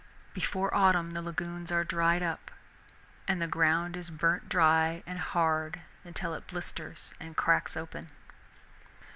Before autumn the lagoons are dried up, and the ground is burnt dry and hard until it blisters and cracks open.